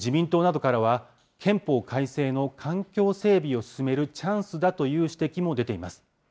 自民党などからは、憲法改正の環境整備を進めるチャンスだという指摘も出ています。